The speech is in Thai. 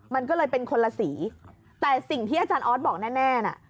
มันก็เลยเป็นคนละสีแต่สิ่งที่อาจารย์ออสบอกแน่น่ะ